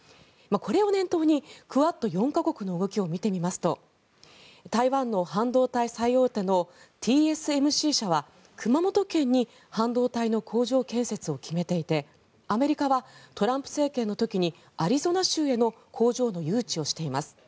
これを念頭にクアッド４か国の動きを見てみますと台湾の半導体最大手のＴＳＭＣ社は熊本県に半導体の工場建設を決めていてアメリカはトランプ政権の時にアリゾナ州への工場の誘致をしています。